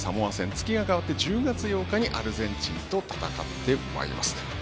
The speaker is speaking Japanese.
月が変わって１０月８日にアルゼンチンと戦います。